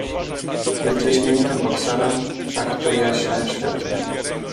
"Jest wyśmienitym bokserem, fechtuje się świetnie."